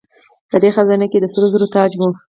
په دې خزانه کې د سرو زرو تاج و